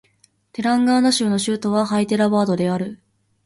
テランガーナ州の州都はハイデラバードである